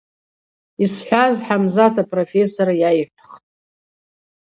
Йсхӏваз Хӏамзат апрофессор йайхӏвхтӏ.